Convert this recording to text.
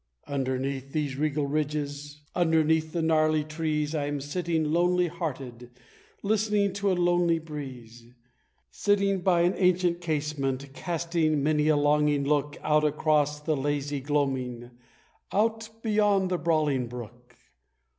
Underneath these regal ridges underneath the gnarly trees, I am sitting, lonely hearted, listening to a lonely breeze! Sitting by an ancient casement, casting many a longing look Out across the hazy gloaming out beyond the brawling brook!